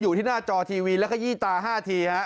อยู่ที่หน้าจอทีวีแล้วก็ยี้ตา๕ทีฮะ